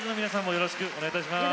よろしくお願いします。